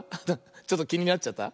ちょっときになっちゃった？